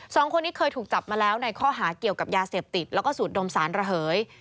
สองคนนี้เคยถูกจับมาแล้วในข้อหาเกี่ยวกับยาเสพติดแล้วก็สูดดมสารระเหย